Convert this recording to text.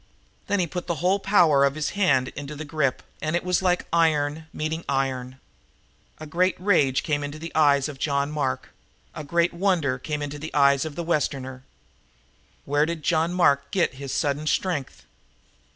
Then he put the whole power of his own hand into the grip, and it was like iron meeting iron. A great rage came in the eyes of John Mark; a great wonder came in the eyes of the Westerner. Where did John Mark get his sudden strength?